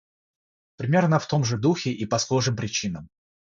Примерно в том же духе и по схожим причинам,